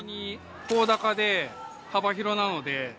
甲高で幅広なので。